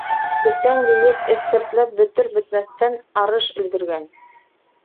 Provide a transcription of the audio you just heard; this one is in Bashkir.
Бесән йыйып, эҫкертләнеп бөтөр-бөтмәҫтән, арыш өлгөргән.